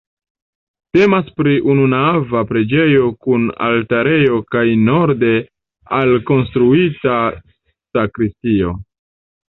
Temas pri ununava preĝejo kun altarejo kaj norde alkonstruita sakristio.